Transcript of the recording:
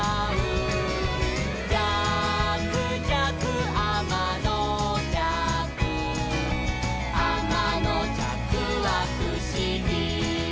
「じゃくじゃくあまのじゃく」「あまのじゃくはふしぎ」